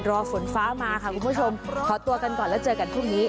ฝนฟ้ามาค่ะคุณผู้ชมขอตัวกันก่อนแล้วเจอกันพรุ่งนี้